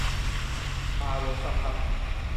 ซาลงสักพัก